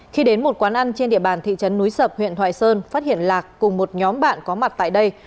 khi đến một quán ăn trên địa bàn thị trấn núi sập huyện thoại sơn phát hiện lạc cùng một nhóm bạn có mặt tại đây